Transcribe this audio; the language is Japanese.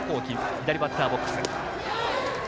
左バッターボックス。